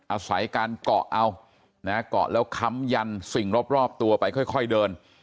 อาศัยการเกาะเอานะเกาะแล้วค้ำยันสิ่งรอบตัวไปค่อยเดิน